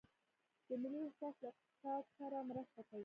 د ملي احساس له اقتصاد سره مرسته کوي؟